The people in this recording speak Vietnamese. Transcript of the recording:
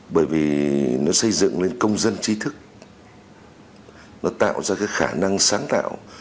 bởi vì nó xây dựng lên công dân trí thức nó tạo ra cái khả năng sáng tạo